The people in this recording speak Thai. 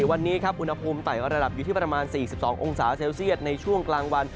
วันนี้ครับอุณหภูมิไต่ระดับอยู่ที่ประมาณ๔๒องศาเซลเซียตในช่วงกลางวัน